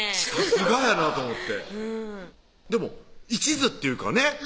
さすがやなと思ってでも一途っていうかね